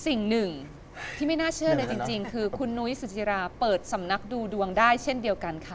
สิ่งหนึ่งที่ไม่น่าเชื่อเลยจริงคือคุณนุ้ยสุจิราเปิดสำนักดูดวงได้เช่นเดียวกันค่ะ